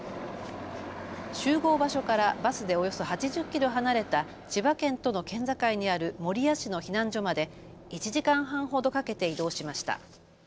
集合場所からバスでおよそ８０キロ離れた千葉県との県境にある守谷市の避難所まで１時間半ほどかけて移動しました。